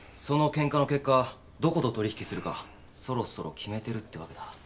そのケンカの結果どこと取引するかそろそろ決めてるってわけだ。